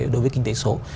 đối với kinh tế số